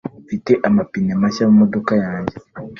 Mfite amapine mashya mumodoka yanjye.